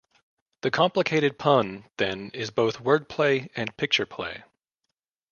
The complicated pun, then, is both word-play and picture-play.